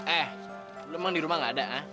eh lo emang di rumah gak ada ha